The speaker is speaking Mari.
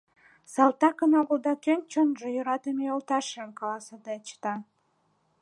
Салтакын огыл да кӧн чонжо йӧратыме йолташыжым каласыде чыта!